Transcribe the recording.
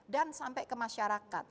dan sampai ke masyarakat